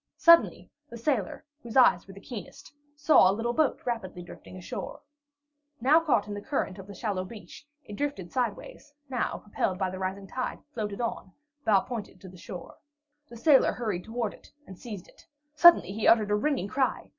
Suddenly, the sailor, whose eyes were the keenest, saw a little boat rapidly drifting ashore. Now caught in a current of the shallow beach, it drifted sideways; now propelled by the rising tide, it floated on, bow pointed to the shore. The sailor hurried toward it and seized it. Suddenly he uttered a ringing cry!